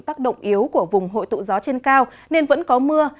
tác động yếu của vùng hội tụ gió trên cao nên vẫn có mưa